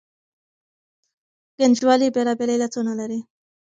ګنجوالي بېلابېل علتونه لري.